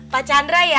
pak chandra ya